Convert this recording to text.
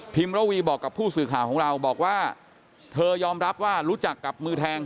ระวีบอกกับผู้สื่อข่าวของเราบอกว่าเธอยอมรับว่ารู้จักกับมือแทง